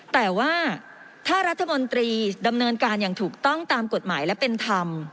แต่ว่าถ้ารัฐมนตรีดำเนินการอย่างถูกต้องตามกฎหมายและเป็นธรรม